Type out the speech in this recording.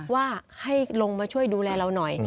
ว่าให้ลงมาช่วยดูแลเราหน่อย